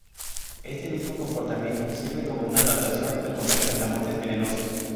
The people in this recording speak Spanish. Este mismo comportamiento sirve como una adaptación a comer saltamontes venenosos.